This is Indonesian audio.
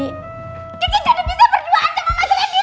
kiki jadi bisa berdua ancam